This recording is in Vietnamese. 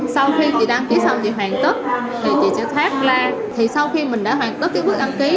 sau khi chị đăng ký xong chị hoàn tất thì chị sẽ thoát ra thì sau khi mình đã hoàn tất cái bước đăng ký